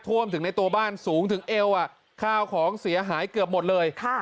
ท่วมถึงในตัวบ้านสูงถึงเอวข้าวของเสียหายเกือบหมดเลย